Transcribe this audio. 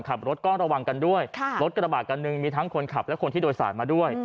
ขับรถก็ระวังกันด้วยรถกระบะคันหนึ่งมีทั้งคนขับและคนที่โดยสารมาด้วย